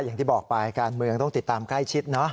อย่างที่บอกไปการเมืองต้องติดตามใกล้ชิดเนอะ